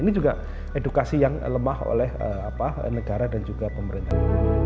ini juga edukasi yang lemah oleh negara dan juga pemerintah